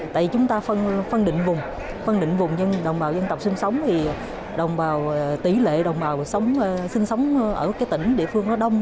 tại chúng ta phân định vùng phân định vùng nhưng đồng bào dân tộc sinh sống thì tỷ lệ đồng bào sinh sống ở tỉnh địa phương nó đông